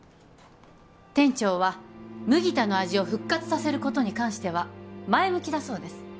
店長は麦田の味を復活させることに関しては前向きだそうです